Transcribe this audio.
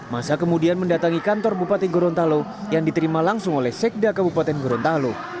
masa kemudian mendatangi kantor bupati gorontalo yang diterima langsung oleh sekda kabupaten gorontalo